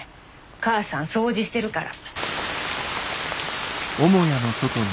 母さん掃除してるから。